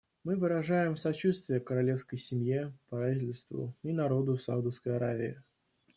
Мы выражаем сочувствие королевской семье, правительству и народу Саудовской Аравии.